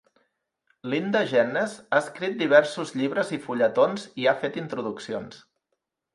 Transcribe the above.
Linda Jenness ha escrit diversos llibres i fulletons i ha fet introduccions.